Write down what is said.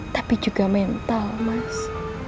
tapi juga mental mas